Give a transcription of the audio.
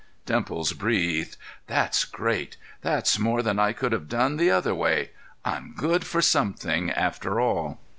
'" Dimples breathed. "That's great! That's more than I could have done the other way. I'm good for something, after all."